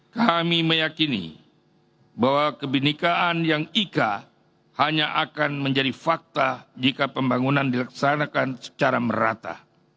kami meyakini bahwa kebenekaan yang ika hanya akan menjadi fakta jika pembangunan dilaksanakan secara merata